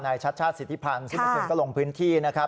ในชาติชาติสิทธิพลซึ่งก็ลงพื้นที่นะครับ